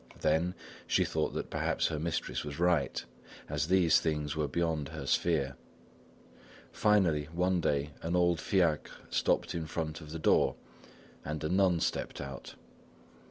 Then, she thought that perhaps her mistress was right, as these things were beyond her sphere. Finally, one day, an old fiacre stopped in front of the door and a nun stepped out.